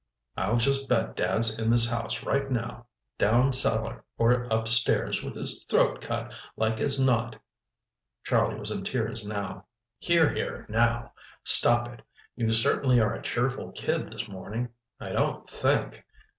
I'll just bet Dad's in this house right now. Down cellar or upstairs, with his throat cut, like as not!" Charlie was in tears now. "Here, here, now! Stop it! You certainly are a cheerful kid this morning—I don't think!"